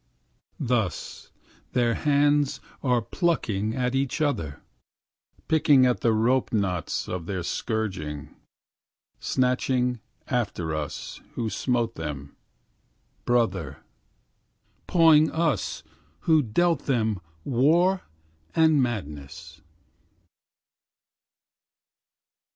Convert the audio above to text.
Thus their hands are plucking at each other; Picking at the rope knouts of their scourging; Snatching after us who smote them, brother, Pawing us who dealt them war and madness.